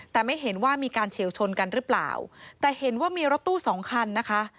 แต่ไม่เห็นว่ามีการเฉียวชนกันหรือเปล่าแต่เห็นว่ามีรถตู้สองคันนะคะ